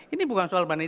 ini bukan soal berani